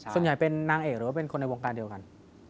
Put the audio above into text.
ส่วนใหญ่เป็นนางเอกหรือว่าเป็นคนในวงการเดียวกัน